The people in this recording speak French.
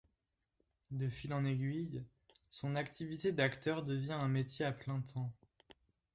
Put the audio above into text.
De fil en aiguille, son activité d'acteur devient un métier à plein temps.